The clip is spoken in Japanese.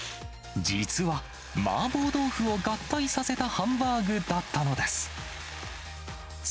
実は、マーボー豆腐を合体させたハンバーグだったのです。